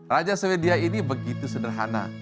raja sweden ini begitu sederhana